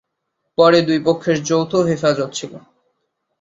পরে দুই পক্ষের যৌথ হেফাজত ছিল।